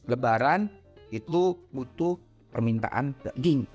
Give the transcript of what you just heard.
lebaran itu butuh permintaan ke ging